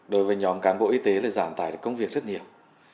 đối với nhóm cán bộ y tế là giảm tải được công việc rất nhiều